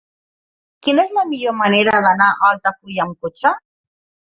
Quina és la millor manera d'anar a Altafulla amb cotxe?